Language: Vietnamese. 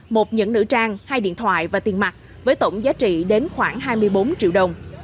một nhẫn nữ trang hai điện thoại và tiền mặt với tổng giá trị đến khoảng hai mươi bốn triệu đồng